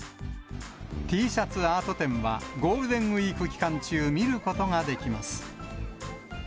Ｔシャツアート展はゴールデンウィーク期間中、見ることができます。